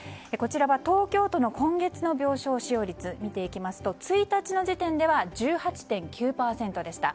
東京都の今月の病床使用率を見ていきますと１日の時点では１８．９％でした。